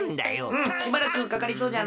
うんしばらくかかりそうじゃな。